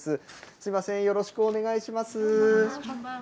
すみません、よろしくお願いしまこんばんは。